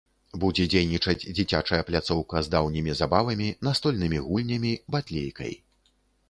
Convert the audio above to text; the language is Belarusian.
Будзе дзейнічаць дзіцячая пляцоўка з даўнімі забавамі, настольнымі гульнямі, батлейкай.